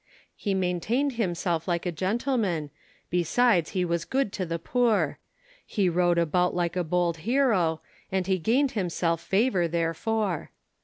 He maintained himself like a gentleman, Besides he was good to the poor; He rode about like a bold hero, And he gain'd himself favour therefore.